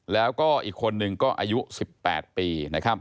แล้วก็อีกคนนึงก็อายุ๑๘ปี